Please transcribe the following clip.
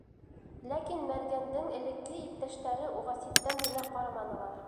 Ләкин мәргәндең элекке иптәштәре уға ситтән генә ҡараманылар.